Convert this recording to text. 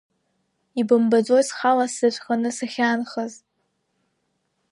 Ибымбаӡои схала сзаҵәханы сахьаанхаз?